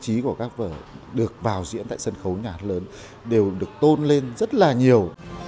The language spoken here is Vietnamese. những trang trí của các vở được bảo diễn tại sân khấu nhà hát lớn đều được tôn lên rất là nhiều